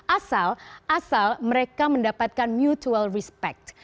asal asal mereka mendapatkan mutual respect